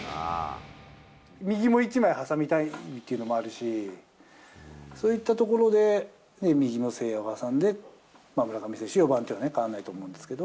右も１枚挟みたいっていうのもあるし、そういったところで、右の誠也を挟んで、村上選手４番っていうのは変わらないと思うんですけど。